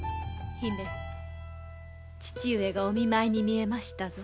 姫父上がお見舞いに見えましたぞ。